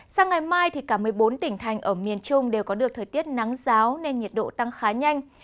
sang ngày mai cả một mươi bốn tỉnh thành ở miền trung đều có được thời tiết nắng giáo nên nhiệt độ tăng khá nhanh